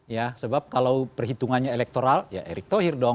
ya sebab kalau perhitungannya elektoral ya erick thohir dong